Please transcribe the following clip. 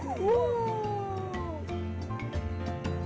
oke satu dua tiga